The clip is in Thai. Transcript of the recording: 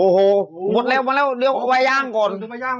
หมดแล้วหมดแล้วเดี๋ยวไปย่านก่อนมาย่าง